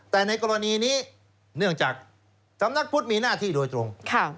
แต่ในกรณีนี้เนื่องจากสำนักพุทธมีหน้าที่โดยตรง